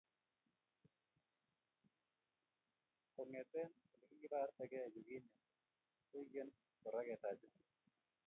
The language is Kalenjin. Kongete ulikibarte ke yukinye, koikeni kora ketajin?